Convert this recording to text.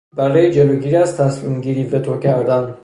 برای جلوگیری از تصمیمگیری وتو کردن